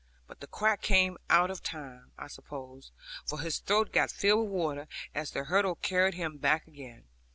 But the quack came out of time, I suppose, for his throat got filled with water, as the hurdle carried him back again.